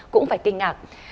cũng phải kinh ngạc